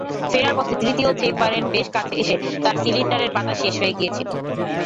ফেরার পথে তৃতীয় চেম্বারের বেশ কাছে এসে তার সিলিন্ডারের বাতাস শেষ হয়ে গিয়েছিল।